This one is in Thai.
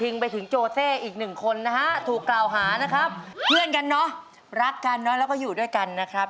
แล้วก็ดูแลซึ่งกันและกันนะครับ